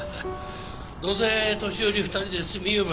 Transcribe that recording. どうせ年寄り２人で住みゆば